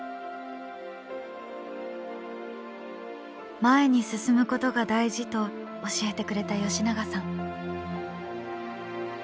前に進むことが大事と教えてくれた吉永さん。